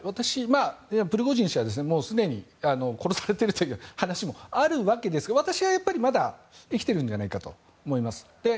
プリゴジン氏はすでに殺されているという話もあるわけですが私はまだ生きているんじゃないかと思います。